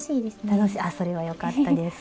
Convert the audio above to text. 楽しいあっそれはよかったです。